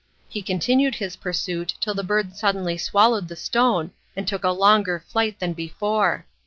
He continued his pursuit till the bird suddenly swallowed the stone and took a longer flight than before.